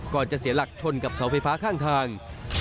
จะเสียหลักชนกับเสาไฟฟ้าข้างทาง